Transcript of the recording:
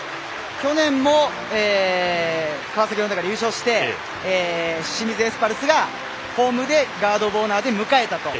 去年も川崎が優勝して清水エスパルスがホームでガード・オブ・オナーで迎えたと。